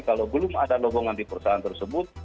kalau belum ada logongan di perusahaan tersebut